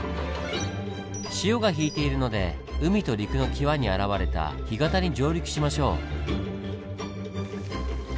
潮が引いているので海と陸のキワに現れた干潟に上陸しましょう。